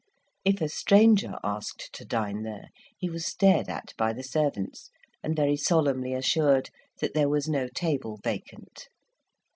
If a stranger asked to dine there, he was stared at by the servants, and very solemnly assured that there was no table vacant.